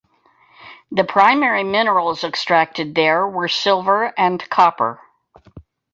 The primary minerals extracted there were silver and copper.